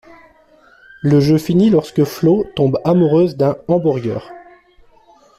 Le jeu finit lorsque Flo tombe amoureuse d'un hamburger!